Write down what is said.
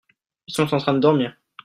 ils sont en train de dormir.